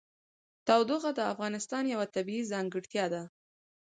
تودوخه د افغانستان یوه طبیعي ځانګړتیا ده.